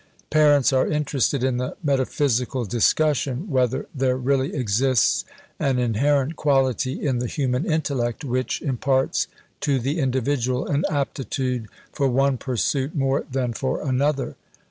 Parents are interested in the metaphysical discussion, whether there really exists an inherent quality in the human intellect which imparts to the individual an aptitude for one pursuit more than for another.